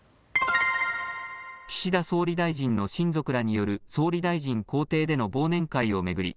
岸田総理大臣の親族らによる総理大臣公邸での忘年会を巡り